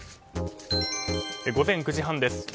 午前９時半です。